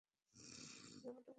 যেমনটা বলেছি, এটা আমার কাজ।